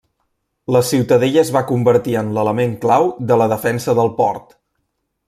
La ciutadella es va convertir en l'element clau de la defensa del port.